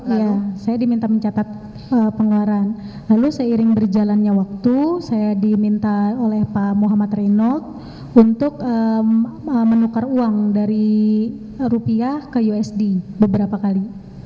iya saya diminta mencatat pengeluaran lalu seiring berjalannya waktu saya diminta oleh pak muhammad reynold untuk menukar uang dari rupiah ke usd beberapa kali